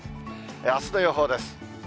あすの予報です。